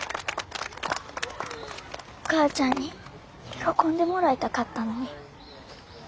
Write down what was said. お母ちゃんに喜んでもらいたかったのに。